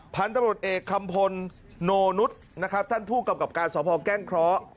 พันธุ์ตำรวจเอกคำพลโนนุษย์ท่านผู้กำกับการสมภอกแกล้งเค้า